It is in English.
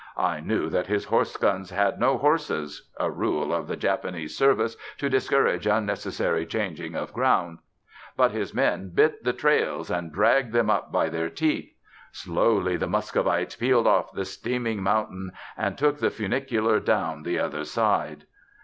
I knew that his horse guns had no horses (a rule of the Japanese service to discourage unnecessary changing of ground), but his men bit the trails and dragged them up by their teeth. Slowly the Muscovites peeled off the steaming mountain and took the funicular down the other side.